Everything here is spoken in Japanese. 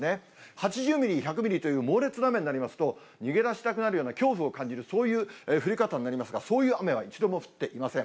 ８０ミリ、１００ミリという猛烈な雨になりますと、逃げ出したくなるような恐怖を感じる、そういう降り方になりますが、そういう雨は一度も降っていません。